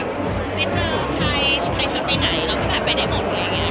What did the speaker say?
ได้เจอใครใครเชิญไปไหนเราก็ได้ไปได้หมดอะไรอย่างเงี้ย